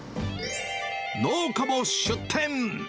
農家も出店。